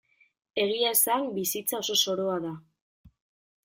Egia esan, bizitza oso zoroa da.